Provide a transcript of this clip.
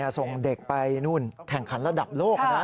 แล้วก่อนส่งเด็กไปแข่งขันระดับโลกนะ